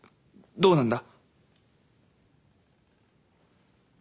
どうなんだ？